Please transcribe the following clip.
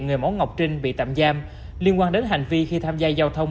người mẫu ngọc trinh bị tạm giam liên quan đến hành vi khi tham gia giao thông